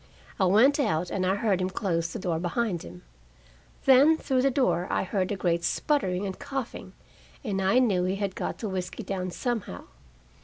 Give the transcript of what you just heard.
I went out, and I heard him close the door behind me. Then, through the door, I heard a great sputtering and coughing, and I knew he had got the whisky down somehow.